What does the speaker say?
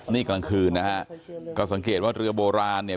นี่กลางคืนนะฮะก็สังเกตว่าเรือโบราณเนี่ย